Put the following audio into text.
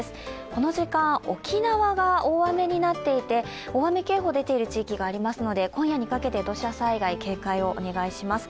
この時間、沖縄が大雨になっていて大雨警報、出ている地域がありますので、今夜にかけて土砂災害、警戒をお願いします。